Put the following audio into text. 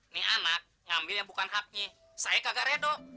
ini anak ngambil yang bukan haknya saya kagak reda